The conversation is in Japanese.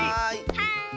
はい。